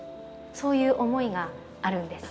そういう思いがあるんです。